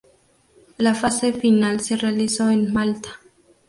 La fase final se realizó en Malta.